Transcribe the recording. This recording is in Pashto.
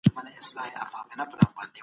کاردستي د ماشومانو خبرو کولو مهارت لوړوي.